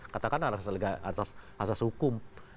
katakanlah asas hukum